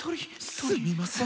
すみません。